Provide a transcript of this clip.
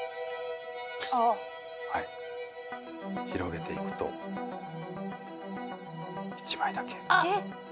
広げていくと１枚だけ。